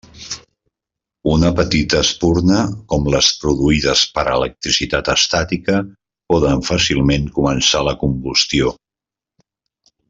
Una petita espurna, com les produïdes per electricitat estàtica, poden fàcilment començar la combustió.